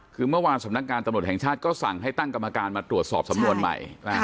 คือเมื่อวานสำนักงานตำรวจแห่งชาติก็สั่งให้ตั้งกรรมการมาตรวจสอบสำนวนใหม่